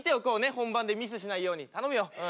本番でミスしないように頼むようん。